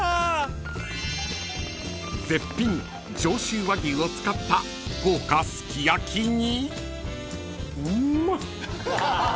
［絶品上州和牛を使った豪華すき焼きに］